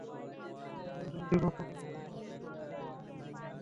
এরপর বিভিন্ন সময়ে দুই পক্ষ পাল্টাপাল্টি কর্মসূচি পালন, একাধিক দফা সংঘর্ষে জড়ায়।